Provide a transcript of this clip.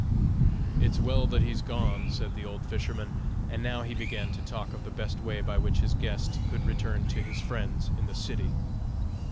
"It's well that he's gone," said the old fisherman; and now he began to talk of the best way by which his guest could return to his friends in the city.